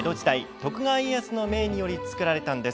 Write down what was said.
徳川家康の命により造られたんです。